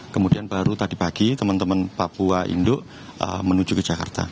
kemudian baru tadi pagi teman teman papua induk menuju ke jakarta